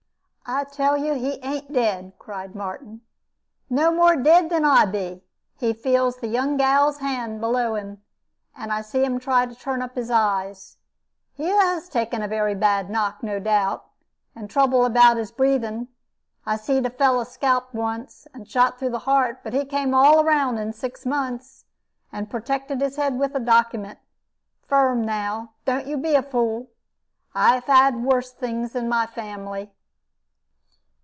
"I tell you he ain't dead," cried Martin; "no more dead than I be. He feels the young gal's hand below him, and I see him try to turn up his eyes. He has taken a very bad knock, no doubt, and trouble about his breathing. I seed a fellow scalped once, and shot through the heart; but he came all round in about six months, and protected his head with a document. Firm, now, don't you be a fool. I have had worse things in my family."